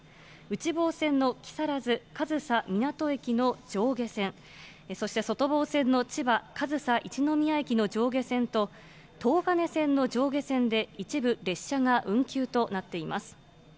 内房線の木更津・上総湊駅の上下線、そして外房線の千葉・上総一ノ宮駅の上下線と、東金線の上下線で一部列車が運休となっています。